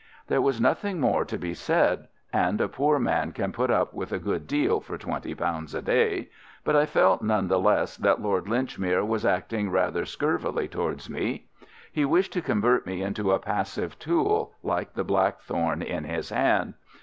There was nothing more to be said, and a poor man can put up with a good deal for twenty pounds a day, but I felt none the less that Lord Linchmere was acting rather scurvily towards me. He wished to convert me into a passive tool, like the blackthorn in his hand.